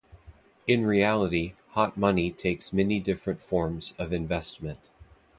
In reality, hot money takes many different forms of investment.